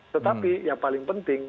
tetapi yang paling penting